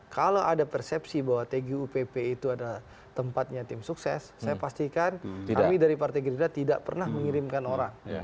kalau ada persepsi bahwa tgupp itu adalah tempatnya tim sukses saya pastikan kami dari partai gerindra tidak pernah mengirimkan orang